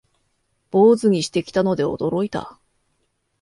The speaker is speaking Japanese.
坊主にしてきたので驚いた